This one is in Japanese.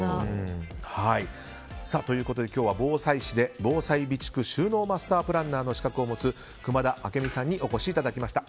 今日は防災士で防災備蓄収納マスタープランナーの資格を持つ熊田明美さんにお越しいただきました。